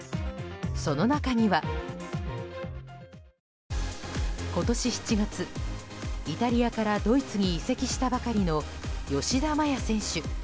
その中には今年７月、イタリアからドイツへ移籍したばかりの吉田麻也選手。